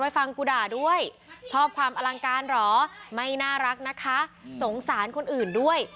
ฟังกูด่าด้วยชอบความอลังการเหรอไม่น่ารักนะคะสงสารคนอื่นด้วย